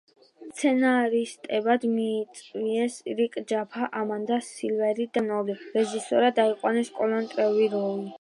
სცენარისტებად მიიწვიეს რიკ ჯაფა, ამანდა სილვერი და დერეკ კონოლი, რეჟისორად აიყვანეს კოლინ ტრევოროუ.